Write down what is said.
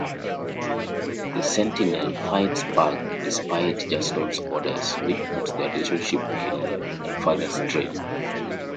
The Sentinel fights back, despite Juston's orders, which puts their relationship in further strain.